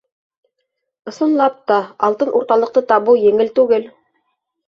Ысынлап та, алтын урталыҡты табыу еңел түгел.